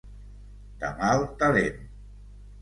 De mal talent.